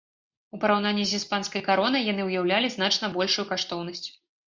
У параўнанні з іспанскай каронай яны ўяўлялі значна большую каштоўнасць.